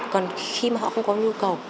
còn khi mà họ không có nhu cầu